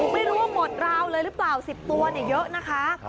ไม่รู้ว่าหมดราวเลยหรือเปล่า๑๐ตัวเยอะนะคะ